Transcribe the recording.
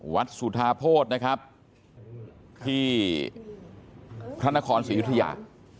สุธาโภษนะครับที่พระนครศรียุธยา